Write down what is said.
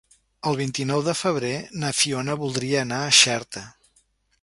El vint-i-nou de febrer na Fiona voldria anar a Xerta.